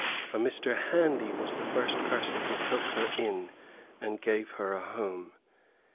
A Mr. Handy was the first person who took her in, and gave her a home.